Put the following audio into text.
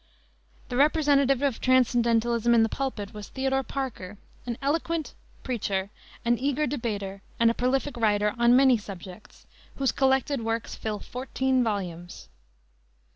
The representative of transcendentalism in the pulpit was Theodore Parker, an eloquent preacher, an eager debater and a prolific writer on many subjects, whose collected works fill fourteen volumes.